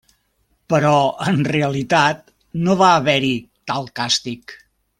Però en realitat no va haver-hi tal càstig.